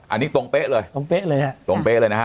อันนี้ตรงเป๊ะเลยตรงเป๊ะเลยนะฮะ